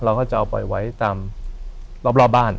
เราก็จะเอาปล่อยไว้ตามรอบบ้าน